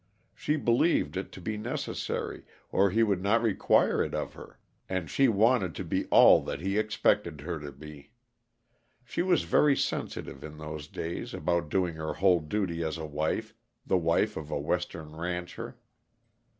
She believed it to be necessary, or he would not require it of her, and she wanted to be all that he expected her to be. She was very sensitive, in those days, about doing her whole duty as a wife the wife of a Western rancher.